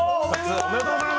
おめでとうございます！